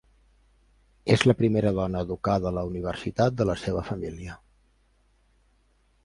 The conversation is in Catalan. És la primera dona educada a la universitat de la seva família.